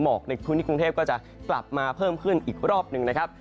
ในพื้นที่กรุงเทพก็จะกลับมาเพิ่มขึ้นอีกรอบหนึ่งนะครับ